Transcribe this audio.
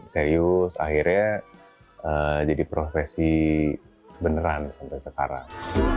serius akhirnya jadi profesi beneran sampai sekarang